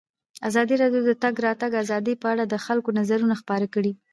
ازادي راډیو د د تګ راتګ ازادي په اړه د خلکو نظرونه خپاره کړي.